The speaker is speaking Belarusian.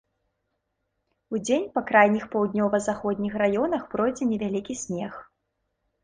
Удзень па крайніх паўднёва-заходніх раёнах пройдзе невялікі снег.